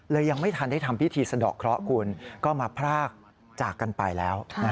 ยังไม่ทันได้ทำพิธีสะดอกเคราะห์คุณก็มาพรากจากกันไปแล้ว